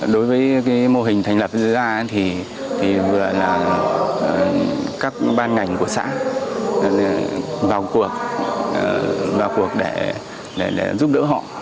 đối với mô hình thành lập ra thì vừa là các ban ngành của xã vào cuộc để giúp đỡ họ